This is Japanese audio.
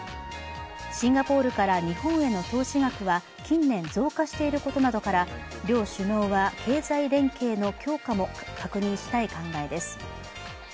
シンガポールから日本への投資額は近年、増加していることなどから両首脳は経済連携の強化も確認したい考えです。